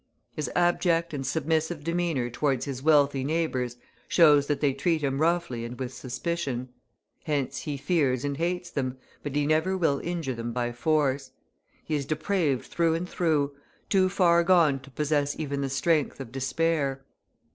His abject and submissive demeanour towards his wealthy neighbours shows that they treat him roughly and with suspicion; hence he fears and hates them, but he never will injure them by force. He is depraved through and through, too far gone to possess even the strength of despair.